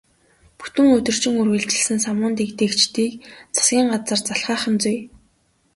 Бүтэн өдөржин үргэлжилсэн самуун дэгдээгчдийг засгийн газар залхаах нь зүй.